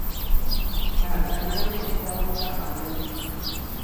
¿Atána neʼnékamu taapaná?